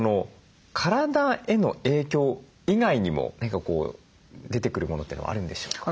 体への影響以外にも何かこう出てくるものってのはあるんでしょうか？